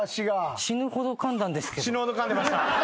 死ぬほどかんでました。